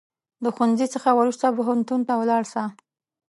د ښوونځي څخه وروسته پوهنتون ته ولاړ سه